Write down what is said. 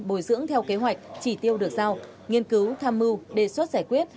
bồi dưỡng theo kế hoạch chỉ tiêu được giao nghiên cứu tham mưu đề xuất giải quyết